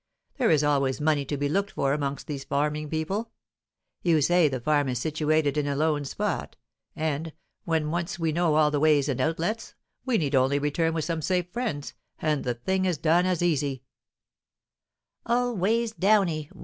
There is always money to be looked for amongst these farming people. You say the farm is situated in a lone spot; and, when once we know all the ways and outlets, we need only return with some safe friends, and the thing is done as easy " "Always 'downy!'